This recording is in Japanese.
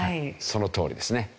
そのとおりですね。